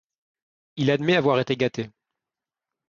Il admet avoir été gâté.